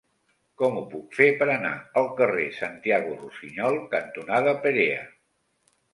Com ho puc fer per anar al carrer Santiago Rusiñol cantonada Perea?